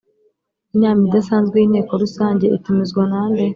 Inama idasanzwe y Inteko Rusange itumizwa nande